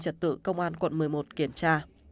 trật tự công an quận một mươi một kiểm tra